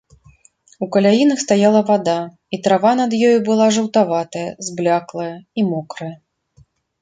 У каляінах стаяла вада, і трава над ёю была жаўтаватая, збляклая і мокрая.